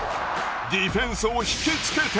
ディフェンスを引き付けて